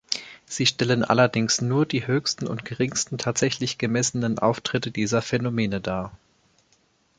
Sie stellen allerdings nur die höchsten und geringsten tatsächlich gemessenen Auftritte dieser Phänomene dar.